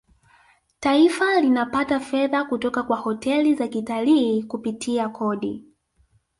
taifa linapata fedha kutoka kwa hoteli za kitalii kupitia kodi